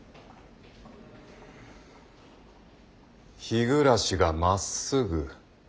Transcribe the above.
日暮がまっすぐ？